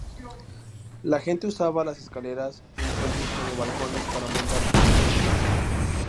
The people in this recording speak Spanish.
La gente usaba las escaleras de incendios como balcones para montar fiestas.